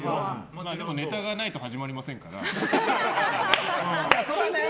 でもネタがないと始まりませんから。